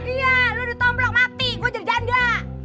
iya lo ditomplok mati gue jadi danda